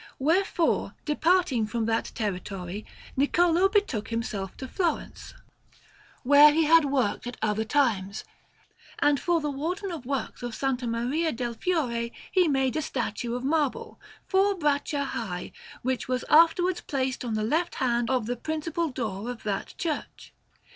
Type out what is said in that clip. Wherefore, departing from that territory, Niccolò betook himself to Florence, where he had worked at other times, and for the Wardens of Works of S. Maria del Fiore he made a statue of marble, four braccia high, which was afterwards placed on the left hand of the principal door of that church.